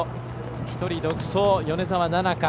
１人、独走、米澤奈々香。